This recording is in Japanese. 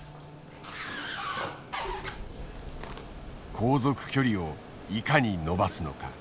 航続距離をいかに伸ばすのか。